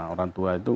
orang tua itu